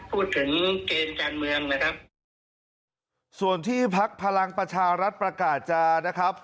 พูดถึงเกมการเมืองนะครับส่วนที่พักพลังประชารัฐประกาศจะนะครับ